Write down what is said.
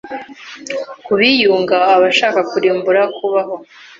kubiyunga aba ashaka kurimbura kubaho